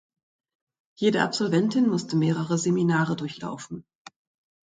Jede Absolventin musste mehrere Seminare durchlaufen.